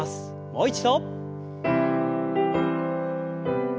もう一度。